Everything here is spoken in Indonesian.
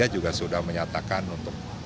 juga sudah menyatakan untuk